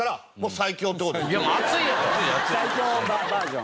最強バージョン。